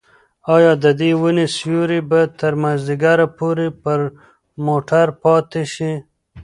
ایا د دې ونې سیوری به تر مازدیګره پورې پر موټر پاتې شي؟